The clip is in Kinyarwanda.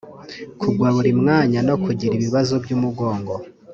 kugwa buri mwanya no kugira ibibazo by’umugongo